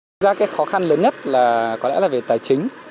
thực ra cái khó khăn lớn nhất là có lẽ là về tài chính